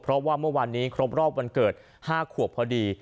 เพราะว่าเมื่อวานนี้ครบรอบวันเกิด๕ขวบพอดี